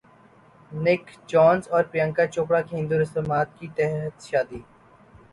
نک جونس اور پریانکا چوپڑا کی ہندو رسومات کے تحت شادی